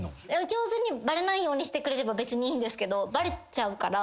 上手にバレないようにしてくれれば別にいいんですけどバレちゃうから。